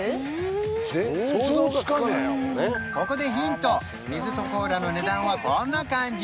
ここでヒント水とコーラの値段はこんな感じ